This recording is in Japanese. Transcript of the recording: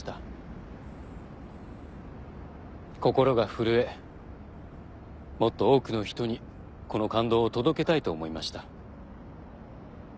心が震えもっと多くの人にこの感動を届けたいと思いました。